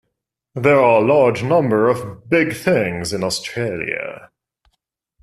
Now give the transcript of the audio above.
There are a large number of "big things" in Australia.